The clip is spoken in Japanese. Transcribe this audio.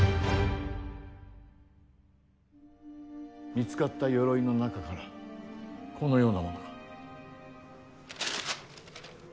見つかった鎧の中からこのようなものが。